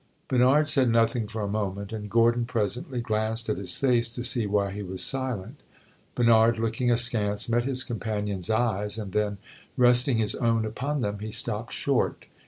Bernard said nothing for a moment, and Gordon presently glanced at his face to see why he was silent. Bernard, looking askance, met his companion's eyes, and then, resting his own upon them, he stopped short.